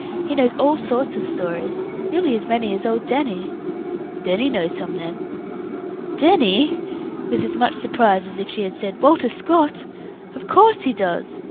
He knows all sorts of stories, nearly as many as old Danny." "Danny knows some, then?" "Danny!" with as much surprise as if she said "Walter Scott!" "Of course he does.